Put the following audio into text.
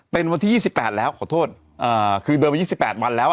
เป็นวันที่ยี่สิบแปดแล้วขอโทษอ่าคือเดินมายี่สิบแปดวันแล้ว